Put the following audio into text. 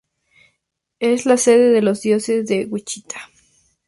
Es la sede de la Diócesis de Wichita.